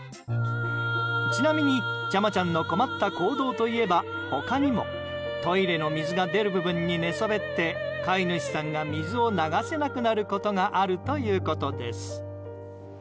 ちなみに、ちゃまちゃんの困った行動といえば他にもトイレの水が出る部分に寝そべって飼い主さんが水を流せなくなることがあるということです。